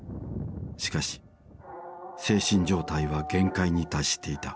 しかし精神状態は限界に達していた